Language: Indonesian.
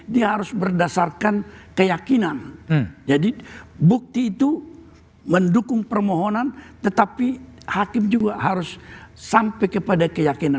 dia harus berdasarkan keyakinan jadi bukti itu mendukung permohonan tetapi hakim juga harus sampai kepada keyakinan